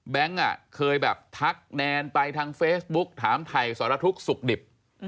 แบงค์เคยแบบทักแนนไปทางเฟสบุ๊คถามไทยสรทุกข์สุขดิบ